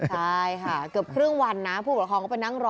ใช่ค่ะเกือบครึ่งวันนะผู้ปกครองก็ไปนั่งรอ